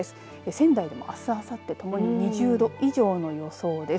仙台でもあす、あさってともに２０度以上の予想です。